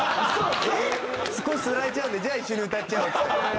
少しつられちゃうんでじゃあ一緒に歌っちゃおうっつって。